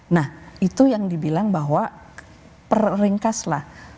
nah itu yang dibilang bahwa peringkaslah